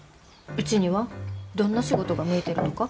うちにはどんな仕事が向いてるのか。